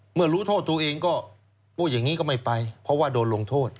เมื่อรู้โทษตัวเองก็พูดอย่างนี้ก็ไม่ไปเพราะว่าโดนลงโทษ